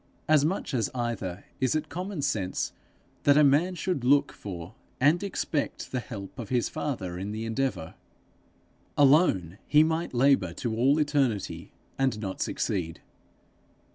As much as either is it common sense that a man should look for and expect the help of his Father in the endeavour. Alone, he might labour to all eternity and not succeed.